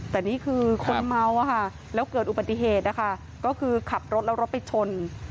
แต่นี่คือคนเมาอะค่ะแล้วเกิดอุบัติเหตุนะคะก็คือขับรถแล้วรถไปชน